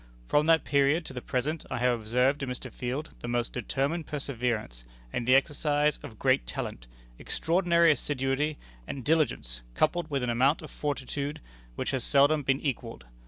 From that period to the present I have observed in Mr. Field the most determined perseverance, and the exercise of great talent, extraordinary assiduity and diligence, coupled with an amount of fortitude which has seldom been equalled.